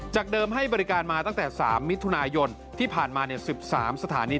เดิมให้บริการมาตั้งแต่๓มิถุนายนที่ผ่านมา๑๓สถานี